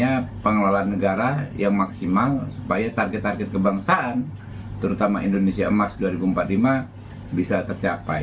bagaimana pengelolaan negara yang maksimal supaya target target kebangsaan terutama indonesia emas dua ribu empat puluh lima bisa tercapai